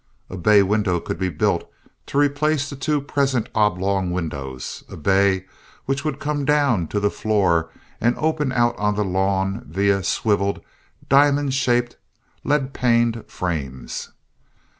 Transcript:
A bay window could be built to replace the two present oblong windows—a bay which would come down to the floor and open out on the lawn via swiveled, diamond shaped, lead paned frames.